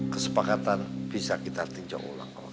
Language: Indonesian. kesepakatan bisa kita tinjau ulang